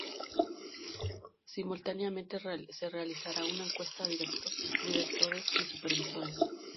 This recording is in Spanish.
Simultáneamente, se realizará una encuesta a directores y supervisores.